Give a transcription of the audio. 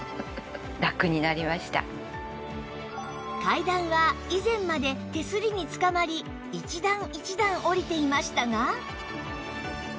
階段は以前まで手すりにつかまり一段一段下りていましたが